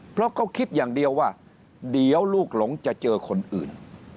เพราะเขาคิดอย่างเดียวว่าเดี๋ยวลูกหลงจะเจอคนอื่น